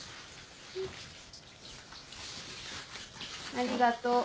ありがとう。